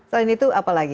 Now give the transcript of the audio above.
selain itu apalagi